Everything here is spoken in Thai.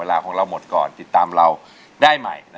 น้องปอนด์ร้องได้ให้ร้อง